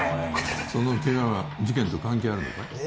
そのケガは事件と関係あるのかい？